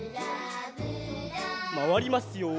まわりますよ。